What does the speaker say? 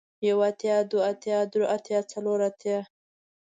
يو اتيا ، دوه اتيا ، دري اتيا ، څلور اتيا ،